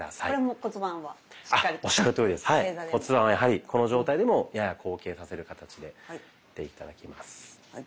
骨盤はやはりこの状態でもやや後傾させる形でやって頂きます。